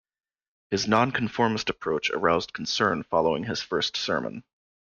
His non-conformist approach aroused concern following his first sermon.